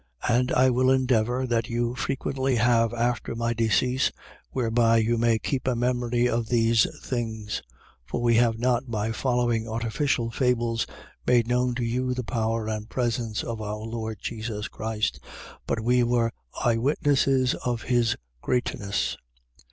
1:15. And I will endeavour that you frequently have after my decease whereby you may keep a memory of these things. 1:16. For we have not by following artificial fables made known to you the power and presence of our Lord Jesus Christ: but we were eyewitnesses of his greatness.